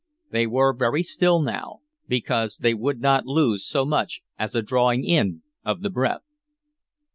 They were very still now, because they would not lose so much as a drawing in of the breath.